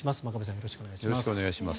よろしくお願いします。